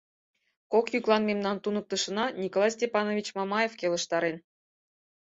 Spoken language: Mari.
Кок йӱклан мемнан туныктышына Николай Степанович Мамаев келыштарен.